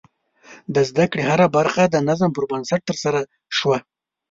د زده کړې هره برخه د نظم پر بنسټ ترسره شوه.